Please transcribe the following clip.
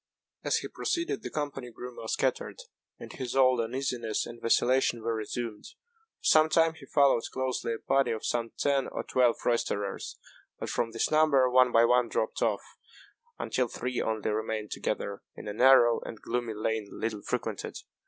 As he proceeded, the company grew more scattered, and his old uneasiness and vacillation were resumed. For some time he followed closely a party of some ten or twelve roisterers; but from this number one by one dropped off, until three only remained together, in a narrow and gloomy lane little frequented.